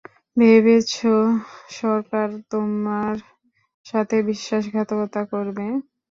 ভেবেছ সরকার তোমার সাথে বিশ্বাসঘাতকতা করবে?